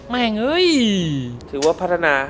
แม่งเฮ้ยถือว่าพัฒนา